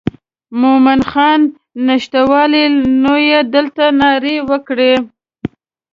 مومن خان نشتوالی نو یې دلته نارې وکړې.